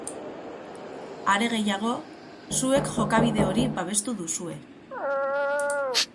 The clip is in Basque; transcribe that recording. Are gehiago, zuek jokabide hori babestu duzue.